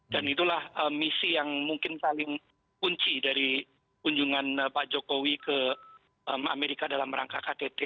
dan itulah misi yang mungkin paling kunci dari kunjungan pak jokowi ke amerika dalam rangka ktt